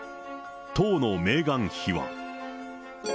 当のメーガン妃は。